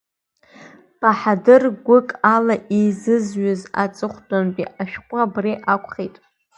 Баҳадыр гәык ала изызҩыз аҵыхәтәантәи ашәҟәы абри акәхеит.